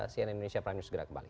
cnn indonesia prime news segera kembali